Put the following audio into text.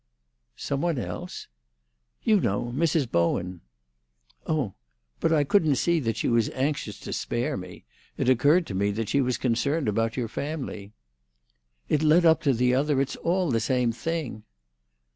"Some one else?" "You know! Mrs. Bowen." "Oh! But I couldn't see that she was anxious to spare me. It occurred to me that she was concerned about your family." "It led up to the other! it's all the same thing."